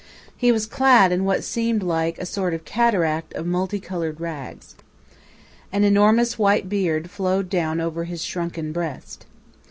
He was clad in what seemed like a sort of cataract of multi colored rags. An enormous white beard flowed down over his shrunken breast.